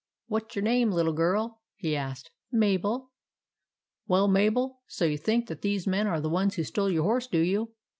" What 's your name, little girl ?" he asked. " Mabel." " Well, Mabel, so you think that these men are the ones who stole your horse, do you?